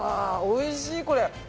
おいしいこれ。